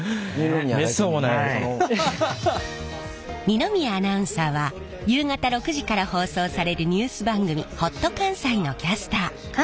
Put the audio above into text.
二宮アナウンサーは夕方６時から放送されるニュース番組「ほっと関西」のキャスター。